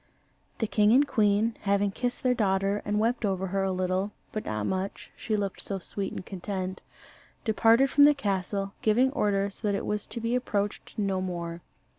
The king and queen having kissed their daughter and wept over her a little, but not much, she looked so sweet and content departed from the castle, giving orders that it was to be approached no more.